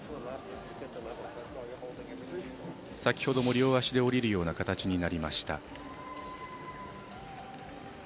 先ほども両足でおりるような形になりました。